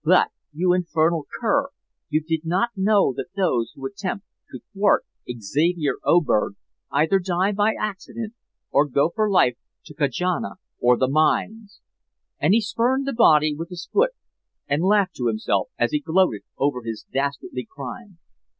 But, you infernal cur, you did not know that those who attempt to thwart Xavier Oberg either die by accident or go for life to Kajana or the mines!' And he spurned the body with his foot and laughed to himself as he gloated over his dastardly crime.